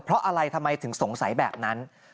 เพราะอะไรทำไมถึงสงสัยแบบนั้น